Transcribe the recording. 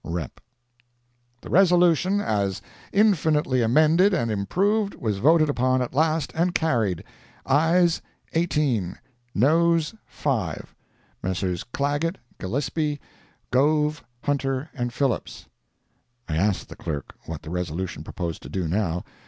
—REP.] The resolution as infinitely amended and improved, was voted upon at last, and carried—ayes 18, noes 5—Messrs. Clagett, Gillespie, Gove, Hunter and Phillips. [I asked the Clerk what the resolution proposed to do now?